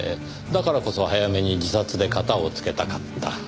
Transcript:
だからこそ早めに自殺で片をつけたかった。